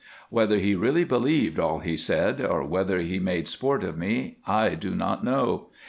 Whether he really believed all he said or whether he made sport of me I do not know.